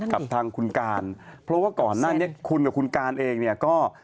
กับทางคุณการเพราะว่าก่อนหน้านี้คุณกับคุณการเองเนี่ยก็